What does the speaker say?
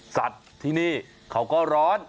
สัตว์ที่นี่เขาก็ร้อน